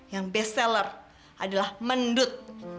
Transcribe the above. yang bestseller adalah mendut